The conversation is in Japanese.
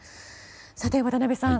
さて、渡辺さん